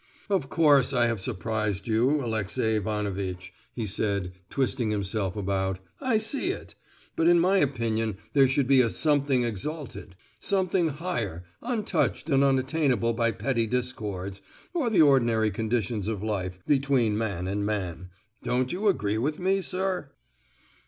"Of course I have surprised you, Alexey Ivanovitch," he said, twisting himself about; "I see it. But in my opinion there should be a something exalted, something higher—untouched and unattainable by petty discords, or the ordinary conditions of life, between man and man. Don't you agree with me, sir?"